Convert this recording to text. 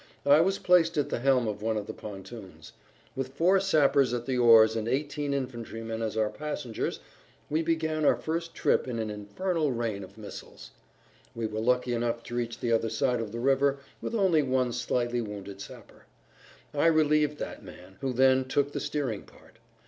I was placed at the helm of one of the pontoons. With four sappers at the oars and eighteen infantrymen as our passengers we began our first trip in an infernal rain of missiles. We were lucky enough to reach the other side of the river with only one slightly wounded sapper. I relieved that man, who then took the steering part.